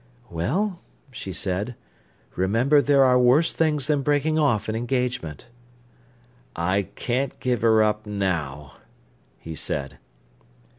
"Well," she said, "remember there are worse wrongs than breaking off an engagement." "I can't give her up now," he said.